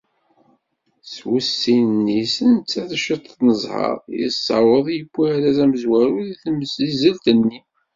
S wussisen-is netta d ciṭ n ẓẓher, yessaweḍ yewwi arraz amezwaru deg temzizelt-nni.